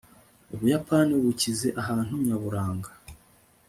ubuyapani bukize ahantu nyaburanga